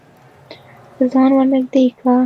ځان ور نږدې که.